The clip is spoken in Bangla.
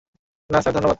না স্যার, ধন্যবাদ।